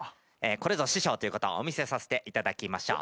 これぞ師匠ということをお見せさせていただきましょう。